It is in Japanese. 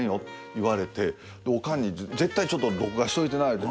言われてオカンに絶対ちょっと録画しといてな言うて。